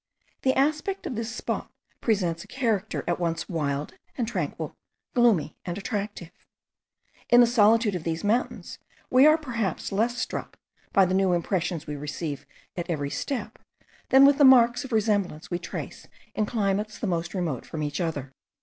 The aspect of this spot presents a character at once wild and tranquil, gloomy and attractive. In the solitude of these mountains we are perhaps less struck by the new impressions we receive at every step, than with the marks of resemblance we trace in climates the most remote from each other.